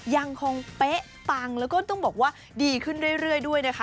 ยังคงเป๊ะปังแล้วก็ต้องบอกว่าดีขึ้นเรื่อยด้วยนะคะ